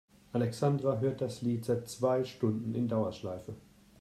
Alexandra hört das Lied seit zwei Stunden in Dauerschleife.